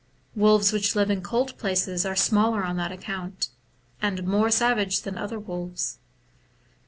Wolves which live in cold places are smaller on that account, and more savage than other wolves.